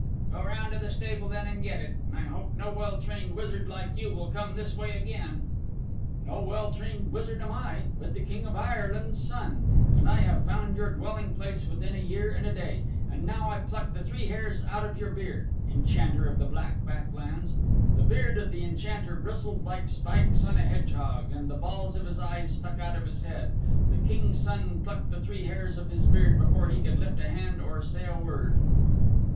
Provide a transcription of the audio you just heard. "Go round to the stable then and get it. And I hope no well trained wizard like you will come this way again." "No well trained wizard am I, but the King of Ire land's Son. And I have found your dwelling place within a year and a day. And now I pluck the three hairs out of your heard, Enchanter of the Black Back Lands." The beard of the Enchanter bristled like spikes on a hedgehog, and the balls of his eyes stuck out of his head. The King's Son plucked the three hairs of his beard before he could lift a hand or say a word.